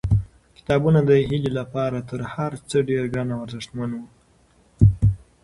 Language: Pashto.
کتابونه د هیلې لپاره تر هر څه ډېر ګران او ارزښتمن وو.